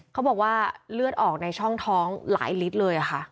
เขาบอกว่าเลือดออกในช่องท้องหลายลิตรเลยค่ะ